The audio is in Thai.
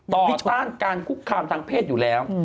ต่อต้านการคุกคามทางเพศอยู่แล้ว